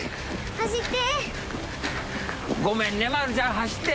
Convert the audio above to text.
走って。